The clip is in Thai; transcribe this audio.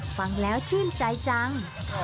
ฟังแล้วชื่นใจจัง